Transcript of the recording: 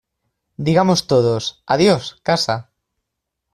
Digamos todos adiós, casa.